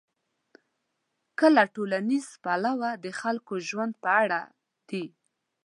که له ټولنیز پلوه د خلکو د ژوند په اړه دي.